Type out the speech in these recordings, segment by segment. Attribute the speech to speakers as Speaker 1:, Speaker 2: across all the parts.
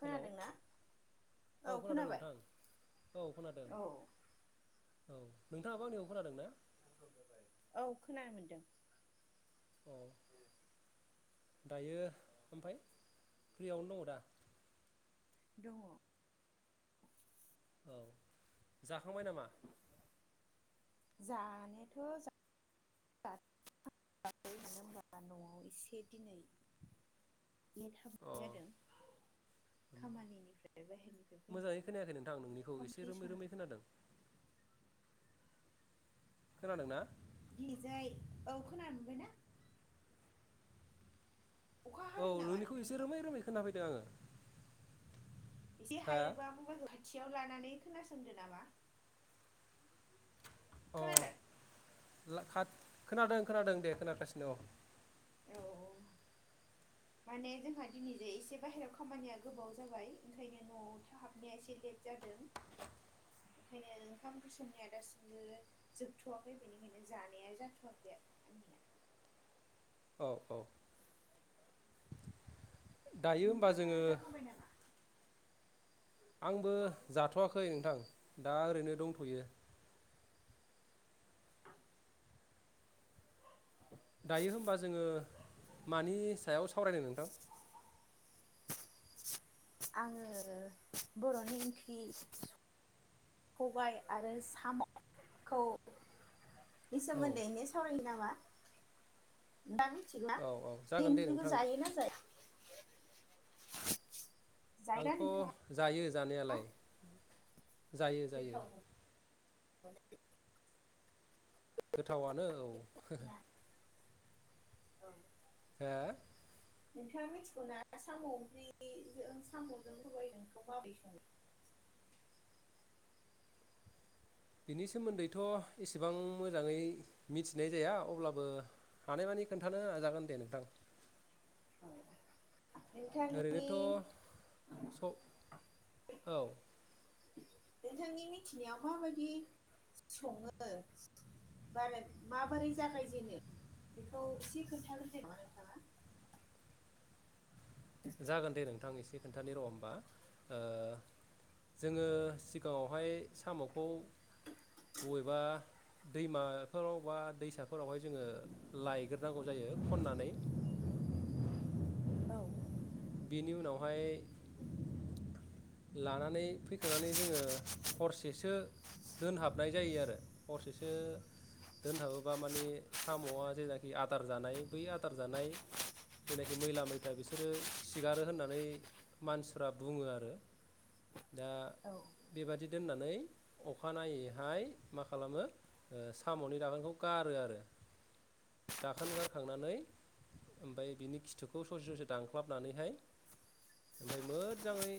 Speaker 1: Hello
Speaker 2: औ
Speaker 1: औ खोनादों
Speaker 2: खोनाबाय
Speaker 1: नोंथां औ खोनादों
Speaker 2: औ
Speaker 1: औ नोंथाङाबो आंनिखौ खोनादों ना?
Speaker 2: औ खोनानो मोनदों
Speaker 1: औ दायो ओमफाय फ्रियावनो दङ दा?
Speaker 2: दङ
Speaker 1: औ जाखांबाय नामा?
Speaker 2: जानोथ जा [unintelligible] लेट हाबनाय
Speaker 1: अ
Speaker 2: जादों खामानिनिफ्राय बाहेरनिफ्राय
Speaker 1: मोजाङै
Speaker 2: फैनाया
Speaker 1: खोनायाखै नोंथां
Speaker 2: बि नो
Speaker 1: नोंनिखौ
Speaker 2: ओंखाम
Speaker 1: एसे
Speaker 2: ओंख्रि
Speaker 1: रोमै
Speaker 2: सं
Speaker 1: रोमै खोनादों खोनादोंना?
Speaker 2: औ खोना मोनबायना
Speaker 1: औ नोंनिखौ एसे
Speaker 2: नोंथांनियाव
Speaker 1: रोमै रोमै खोनाफैदों आङो
Speaker 2: एसे
Speaker 1: हा
Speaker 2: हायोबा मबाइलखौ खाथियाव लानानै खोनासंदो नामा
Speaker 1: अ
Speaker 2: खोनादों
Speaker 1: खोनादों खोनादों दे खोनागासिनो औ
Speaker 2: औ माने जोंहा दिनैजों एसे बाहेरायाव खामानिया गोबाव जाबाय ओंखायनो न'आव थ हाबनाया एसे लेट जादों ओंखायनो ओंखाम ओंख्रि संनाया दासिमबो जोबथवाखै बेनिखायनो जानाया जाथवाखै आरो आंनिया
Speaker 1: औ औ दायो होमबा
Speaker 2: नोंथाङा
Speaker 1: जोङो
Speaker 2: जाखांबाय नामा?
Speaker 1: आंबो जाथवाखै नोंथां दा ओरैनो दंथयो दायो होनबा जोङो मानि सायाव सावरायदों नोंथां
Speaker 2: आङो बरनि ओंख्रि सबाय आरो सामखौ बेनि
Speaker 1: औ
Speaker 2: सोमोन्दैनो सावरायो नामा? दा मिथिला
Speaker 1: औ औ
Speaker 2: बे
Speaker 1: जागोन दे
Speaker 2: ओंख्रिखौ
Speaker 1: नोंथां
Speaker 2: जायोना जाया? जायोना
Speaker 1: आंथ
Speaker 2: नोंथाङा
Speaker 1: जायो। जानायालाय। जायो जायो।
Speaker 2: गोथाव [unintelligible]
Speaker 1: गोथावआनो औ।
Speaker 2: औ।
Speaker 1: हो
Speaker 2: नोंथाङा मिथिगौ ना साम ओंख्रिजों सामजों सबायजोंखौ माब्रै सङो?
Speaker 1: बिनि सोमोन्दैथ एसेबां मोजाङै मिथिनाय जाया अब्लाबो हानायमानि खोन्थानो हाजागोन दे नोंथां।
Speaker 2: औ।
Speaker 1: ओरैनोथ स औ।
Speaker 2: नोंथांनि मिथिनायाव माबायदि सङो बा माबोरै जागायजेनो बेखौ एसे खोन्थागोन नामा नोंथाङा?
Speaker 1: जागोन दे नोंथां एसे। खोन्थानि र होनबा ओ जोङो सिगाङावहाय सामखौ बबेबा दैमाफोराव बा दैसाफोरावहाय जोङो लायग्रोनांगौ जायो खननानै।
Speaker 2: औ
Speaker 1: बेनि उनावहाय लानानै फैखांनानै जोङो हरसेसो दोनहाबनाय जायो आरो हरसेसो दोनहाबोबा माने सामआ जेनाखि आदार जानाय बै आदार जानाय जेनाखि मैला मैथा बिसोरो खिगारो होननानै मानसिफ्रा बुङो आरो दा
Speaker 2: औ
Speaker 1: बेबादि दोननानै अखानायैहाय मा खालामो सामनि दाखोनखौ गारो आरो दाखोन गारखांनानै ओमफ्राय बिनि खिथुखौ ससे ससे दान ख्लाबनानैहाय ओमफ्राय मोजाङै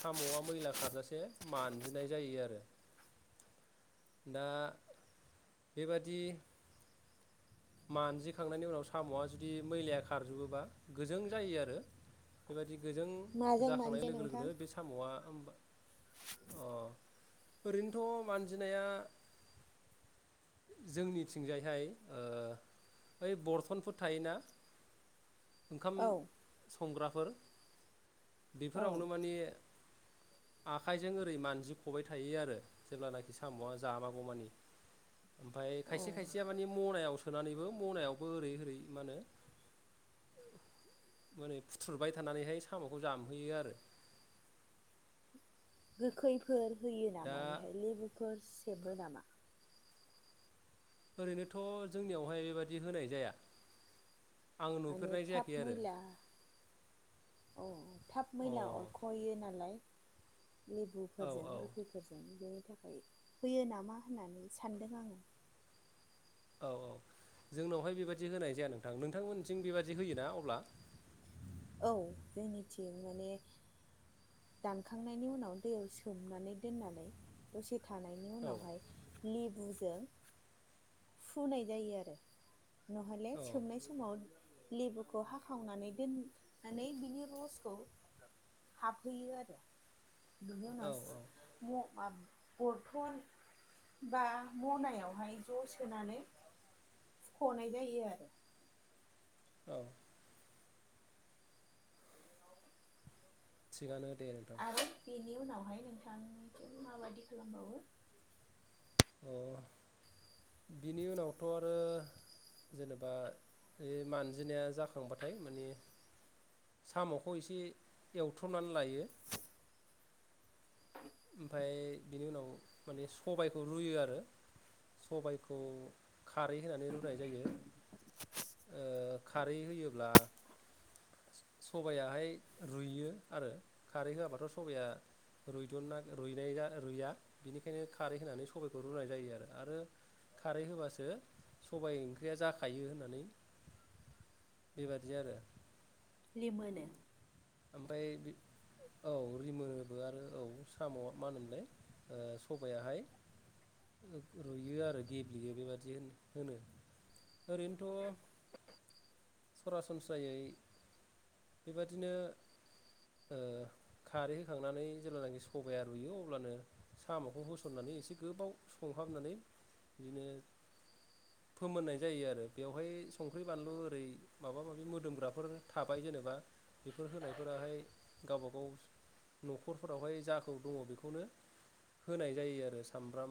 Speaker 1: सामआ मैला खारजासे मानजिनाय जायो आरो दा बेबादि मानजिखांनायनि उनाव सामआ जुदि मैलाया खारजोबोबा गोजों जायो आरो बेबायदि गोजों
Speaker 2: माजों
Speaker 1: जाखांनाय
Speaker 2: मानजो
Speaker 1: लोगो लोगोनो
Speaker 2: नोंथां
Speaker 1: बे सामआ अ ओरैनोथ मानजिनाया जोंनिथिंजायहाय ओ बै बरथनफोर थायोना ओंखाम
Speaker 2: औ
Speaker 1: स संग्रा फोर
Speaker 2: औ
Speaker 1: बेफोरावनो माने आखाइजों ओरै मानजि खबाय थायो आरो जेब्लानाखि सामआ जाबागौमानि। ओमफाय
Speaker 2: औ
Speaker 1: खायसे खायसेया मानि मनायाव सोनानैबो मनायावबो ओरै ओरै मा होनो मानै फुथ्रुरबाय थानानैहाय सामखौ जामहैयो आरो।
Speaker 2: गोखैफोर होयो
Speaker 1: दा
Speaker 2: नामा बेहाय लेबुफोर सेबो नामा?
Speaker 1: ओरैनोथ जोंनियावहाय बेबादि होनाय जाया आं
Speaker 2: माने
Speaker 1: नुफेरनाय
Speaker 2: थाब
Speaker 1: जायाखै आरो।
Speaker 2: मैला अ अ थाब
Speaker 1: अ
Speaker 2: मैला अरखयो नालाय
Speaker 1: औ
Speaker 2: लेबुफोरजों
Speaker 1: औ
Speaker 2: गोखैफोरजों बे याखाय होयो नामा होननानै सानदों आङो
Speaker 1: औ औ जोंनावहाय बेबादि होनाय जाया नोंथां नोंथांमोनखिं बेबादि होयो ना अब्ला
Speaker 2: औ जोंनिथिं माने दानखांनायनि उनाव दैयाव सोमनानै दोननानै दसे थानायनि
Speaker 1: औ
Speaker 2: उनावहाय लिभ गुजों फुनाय जायो आरो नहले
Speaker 1: औ
Speaker 2: सोमनाय समाव लेबुखौ हाखावनानै दोन नानै बिनि रसखौ हाबहैयो आरो
Speaker 1: औ
Speaker 2: बिनिउनाव सु म आब बरथन बा मनायावहाय ज सोनानै सुखनाय जायो आरो
Speaker 1: औ थिगानो दे नोंथां
Speaker 2: आरो बेनि उनावहाय नोंथांनिथिं माबायदि खालामबावो
Speaker 1: अ बिनि उनावथ आरो जेनेबा ए मानजिनाया जाखांबाथाय माने सामखौ एसे एवथ्रनानै लायो ओमफाय बिनि उनाव माने सबायखौ रुयो आरो सबायखौ खारै होनानै रुनाय जायो। ओ खारै होयोब्ला सबाहाय रुइयो आरो खारै होआबाथ सबाया रुइदनागोर रुइनाया रुइया बेनिखायनो खारै होनानै सबाइखौ रुनाय जायो आरो आरो खारै होबासो सबाय ओंख्रिया जाखायो होननानै बेबादि आरो
Speaker 2: लिमोनो
Speaker 1: ओमफाय बि उ औ रिमोबो आरो औ साम मा होनोमोनलाय सबायाहाय रुइयो आरो गेब्लेयो बेबादि होन होनो ओरैनोथ आसमस्रायै बेबादिनो ओ खारै होखांनानै जेब्लानाखि सबाया रुयो अब्लानो सामखौ होसननानै एसे गोबाव संहाबनानै बिनो फोमोननाय जायो आरो बेवहाय संख्रि बानलु ओरै माबा माबि मोदोमग्राफोर थाबाय जेनेबा बेफोर होनायफोराहाय गावबा गाव नखरफोरावहाय जाखौ दङ बेखौनो होनाय जायो आरो सामब्राम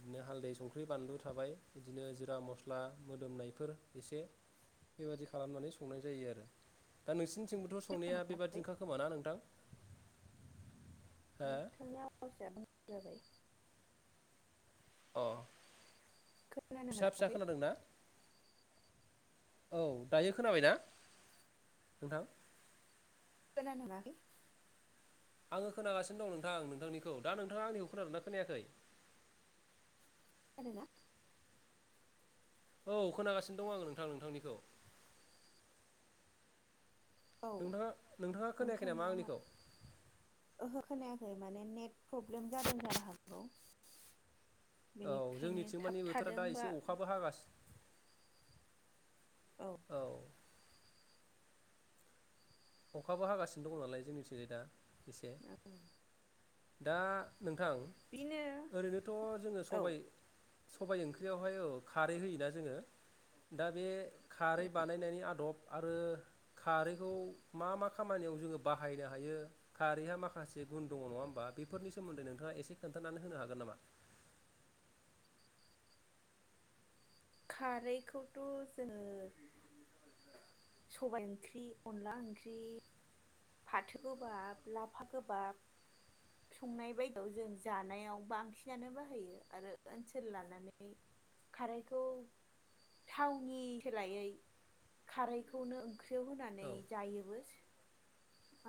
Speaker 1: बुमनो हालदै संख्रि बानलु थाबाय बिदिनो जिरा मस्ला मोदोमनायफोर एसे बेबादि खालामनानै संनाय जायो आरो दा नोंसिन जोंबोथ संनाया
Speaker 2: मोनाखै
Speaker 1: बेबादिना खोमा ना नोंथां?
Speaker 2: [unintelligible] जाबाय
Speaker 1: अ
Speaker 2: खोनानो
Speaker 1: फिसा फिसा
Speaker 2: मोनाखै
Speaker 1: खोनादों ना? औ दायो खोनाबायना नोंथां?
Speaker 2: [unintelligible]
Speaker 1: आङो खोनागासिनो दं नोंथां नोंथांनिखौ दा नोंथाङा आंनिखौ खोनादोंना खोनायाखै
Speaker 2: [unintelligible]
Speaker 1: औ खोनागासिनो दं आङो नोंथां नोंथांनिखौ
Speaker 2: औ
Speaker 1: नोंथाङा नोंथाङा खोनायाखै नामा
Speaker 2: नोंथांनियावहाय
Speaker 1: आंनिखौ?
Speaker 2: ओहो खोनायाखै माने नेट प्रब्लेम जादों जानो हागौ
Speaker 1: औ
Speaker 2: बेनिखायनो
Speaker 1: जोंनिथिं
Speaker 2: थाब
Speaker 1: मानि बोथोरा दा
Speaker 2: थादोंबा
Speaker 1: एसे अखाबो हागासिनो। औ। अखाबो हागासिनो दङ नालाय जोंनिथिं दा। एसे। दा। नोंथां
Speaker 2: बिनो
Speaker 1: ओरैनोथ जोङो
Speaker 2: औ
Speaker 1: सबायाइ सबायाइ ओंख्रियावहाय औ खारै होयोना जोङो दा बे खारै बानायनायनि आदब। आरो खारैखौ। मा मा खामानियाव जोङो बाहायनो हायो खारैहा माखासे गुन दङ नङा होमबा बेफोरनि सोमोन्दै नोंथाङा एसे खोन्थानानै होनो हागोन नामा।
Speaker 2: खारैखौथ जोङो सबायाइ ओंख्रि अनला ओंख्रि फाथो गोबाब लाफा गोबाब संनाय बायदियाव जों जानायाव बांसिनानो बाहायो आरो ओनसोल लानानै खारै खौ थावनि सोलायै खारखौनो। ओंख्रियाव होनानै
Speaker 1: औ
Speaker 2: जायोबो।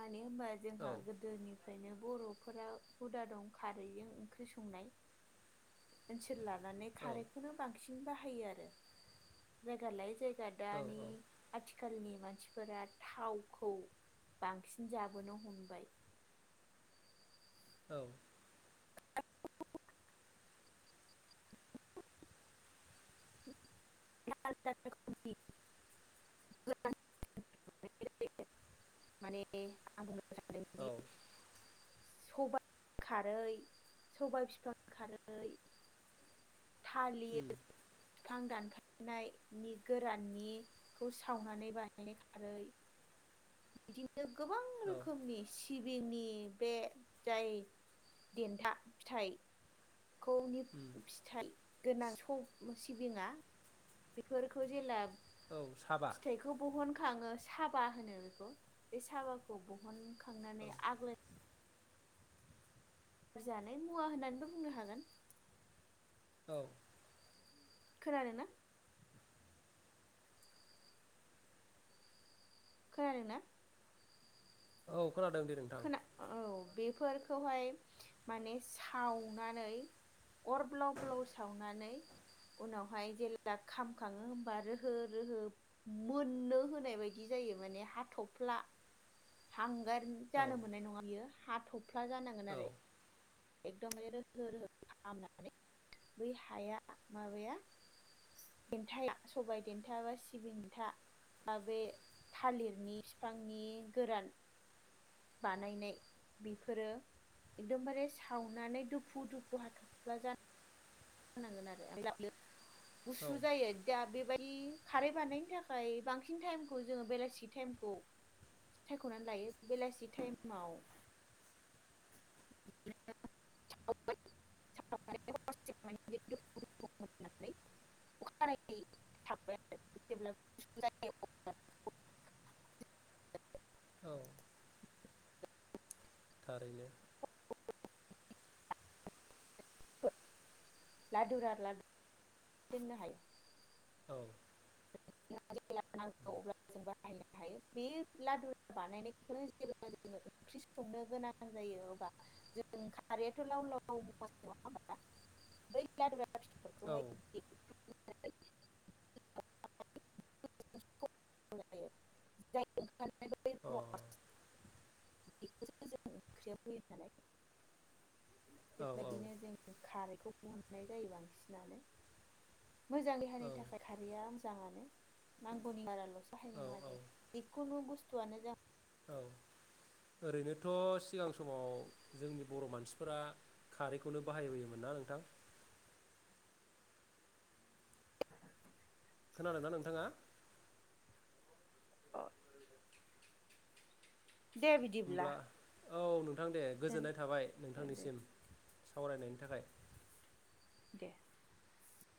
Speaker 2: मानो होनबा जोंहा
Speaker 1: औ
Speaker 2: गोदोनि। ओंखायनो बरफोरा हुदा दं खारैजों ओंख्रि संनाय ओनसोल।
Speaker 1: औ
Speaker 2: खौनो बांसि बांसिन बाहायो आरो जायगा लायै जायगा।
Speaker 1: औ
Speaker 2: दानि आथि। आथिखालनि मानसिफोरा थावखौ बांसिन जाबोनो हमबाय।
Speaker 1: औ।
Speaker 2: [unintelligible] [unintelligible] माने
Speaker 1: औ
Speaker 2: [unintelligible] [unintelligible] सबाय खारै सबाय बिफां खारै।
Speaker 1: उम
Speaker 2: थालिर। बिफां दानफायनायनि गोराननिखौ सावनानै बाहायनाय खारै। बिदिनो। गोबां
Speaker 1: औ
Speaker 2: रोखोमनि [unintelligible] सिबिंनि बे जाय देन्था फिथाइ खौ नि
Speaker 1: उम
Speaker 2: फिथाइ गोनां सौ सिबिङा बेफोरखौ जेला
Speaker 1: औ साबा।
Speaker 2: खाङो साबा होनो बेखौ। बे साबाखौ
Speaker 1: औ
Speaker 2: बहनखांनानै आग्लाय जानाय मुवा होननानैबो बुंनो हागोन।
Speaker 1: औ।
Speaker 2: खोनादोंना? खोनादों ना?
Speaker 1: औ। खोनादों दे नोंथां
Speaker 2: खोना औ बे फोरखौहाय माने सावनानै अर ब्लाव ब्लाव सावनानै उनावहाय जेला खामखाङो हबा रोहो रोहो मोननो होनाय बायदि जायो माने हाथफ्ला हांगारनि
Speaker 1: औ
Speaker 2: जानो मोननाय नङा बियो। हाथफ फ्ला जानांगोन
Speaker 1: औ
Speaker 2: आरो। एकदमबारे रोहो रोहो खालामनानै बै हाया माबाया देन्थाया सबाय देन्था बा सिबिं दन्था बा बे थालिरनि फिफांनि गोरान बानायनाय बेफोरो एकदमबारे सावनानै दुफु दुफु हाथफ्ला जान होनांगोन आरो [unintelligible]
Speaker 1: औ
Speaker 2: गुसु जायो दा बेबाय दि खारै बारनायनो थाखाय बांसिन थाइमखौ जोङो बेलासि थाइमखौ सायखनानै लायो बेलासि थाइमाव [unintelligible]
Speaker 1: औ। थारैनो।
Speaker 2: लादुरा लादु दोननो हायो।
Speaker 1: औ।
Speaker 2: जेला नांगौ अब्ला जों बाहायनो हायो बे लादुरा बानायनायखौ जेब्ला जोङो ओंख्रि संनो गोनां जायो अब्ला जों खारैयाथ लाव लाव मुवा नङा होमबा बै लादुरा
Speaker 1: औ अ
Speaker 2: [unintelligible] [unintelligible] [unintelligible]
Speaker 1: अह।
Speaker 2: बेखौ जोङो ओंख्रियाव होयो नालाय। बेबायदिनो जों खारै बेखौ बहननाय जायो बांसिनानो। मोजां देहानि
Speaker 1: औ
Speaker 2: थाखाय खारैया मोजाङानो नांगौनि बारालसो
Speaker 1: औ
Speaker 2: [inaudible] जिखुनु बुस थु आनो जा
Speaker 1: औ ओरैनोथ सिगां समाव जोंनि बर' मानसिफोरा खारैखौनो बाहायबोयोमोन ना नोंथां खोनादों ना नोंथाङा
Speaker 2: अ
Speaker 1: होमब्ला औ नोंथां दे
Speaker 2: दोन
Speaker 1: गोजोननाय थाबाय
Speaker 2: दे
Speaker 1: नोंथांनिसिम सावरायनायनि थाखाय
Speaker 2: दे